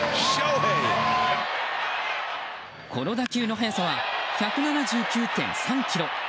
この打球の速さは１７９．３キロ。